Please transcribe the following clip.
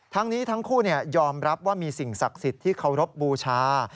ทั้งนี้ทั้งคู่ยอมรับว่ามีสิ่งศักดิ์สิทธิ์ที่เคารพบูชา